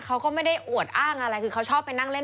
เขาก็ไม่ได้อวดอ้างอะไรคือเขาชอบไปนั่งเล่น